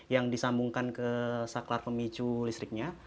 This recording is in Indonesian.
yang disambungkan ke saklar pemicu listriknya